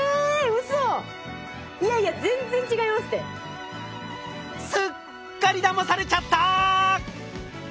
いやいやすっかりだまされちゃった！